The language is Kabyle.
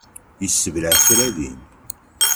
Yessebleε kra din.